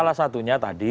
salah satunya tadi